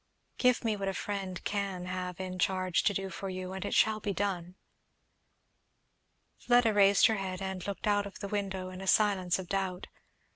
"Give me what a friend can have in charge to do for you, and it shall be done." Fleda raised her head and looked out of the window in a silence of doubt.